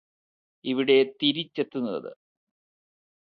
ഇവിടെ തിരിച്ചെത്തുന്നത്